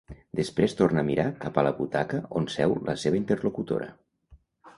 Després torna a mirar cap a la butaca on seu la seva interlocutora.